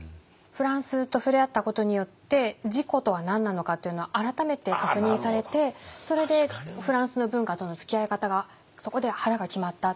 フランスと触れ合ったことによって自己とは何なのかっていうのを改めて確認されてそれでフランスの文化とのつきあい方がそこで腹が決まった。